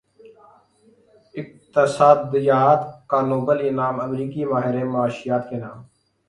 اقتصادیات کا نوبل انعام امریکی ماہر معاشیات کے نام